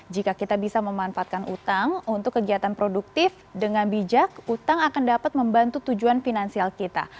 jika kita bisa memanfaatkan utang untuk kegiatan produktif dengan bijak utang akan dapat membantu tujuan finansial kita